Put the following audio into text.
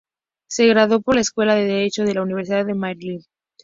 Se graduó por la Escuela de Derecho de la Universidad de Maryland.